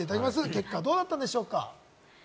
結果はどうなったんでしょうか？